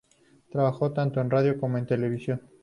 Trabajo tanto en radio como en televisión.